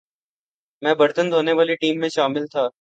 میں برتن دھونے والی ٹیم میں شامل تھا